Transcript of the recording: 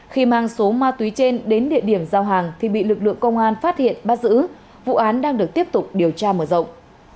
khi mang số ma túy trên đến địa điểm giao hàng thì bị lực lượng công an phát hiện bắt giữ vụ án đang được tiếp tục điều tra mở rộng